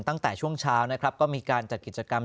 ตั้งแต่ช่วงเช้านะครับก็มีการจัดกิจกรรม